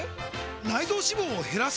内臓脂肪を減らす！？